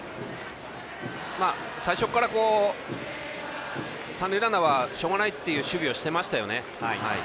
最初から三塁ランナーはしょうがないっていう守備をしていましたね。